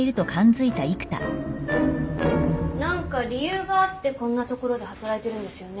何か理由があってこんな所で働いてるんですよね？